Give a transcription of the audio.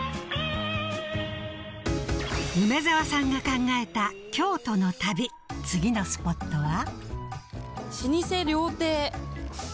梅沢さんが考えた京都の旅次のスポットは？